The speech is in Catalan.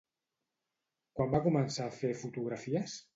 Quan va començar a fer fotografies?